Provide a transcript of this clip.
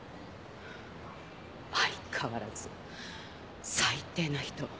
相変わらず最低な人。